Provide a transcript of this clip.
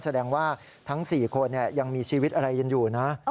แสดงว่าทั้ง๔คนยังมีชีวิตอะไรกันอยู่นะ